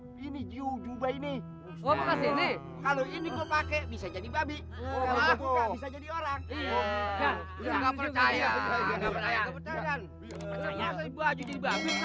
oh ini kalau ini pakai bisa jadi babi